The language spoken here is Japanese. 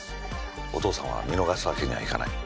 お父さんは見逃すわけにはいかない。